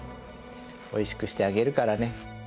おいしくしてあげるからね。